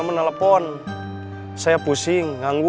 terima kasih tang